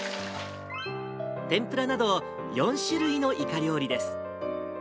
天ぷらなど４種類のイカ料理です。